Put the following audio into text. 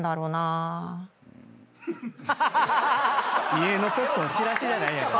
家のポストのチラシじゃないんやから。